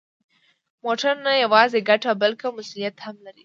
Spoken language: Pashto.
موټر نه یوازې ګټه، بلکه مسؤلیت هم لري.